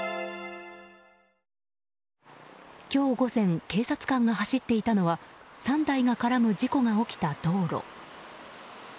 今日午前警察官が走っていたのは３台が絡む事故が起きた道路。